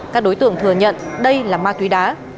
các đối tượng thừa nhận đây là ma túy đá